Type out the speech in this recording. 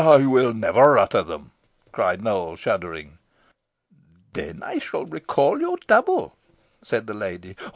'" "I will never utter them!" cried Nowell, shuddering. "Then I shall recall your double," said the lady.